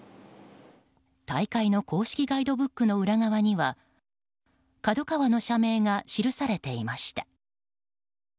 大会の公式ガイドブックの裏側にはＫＡＤＯＫＡＷＡの社名が記されていました。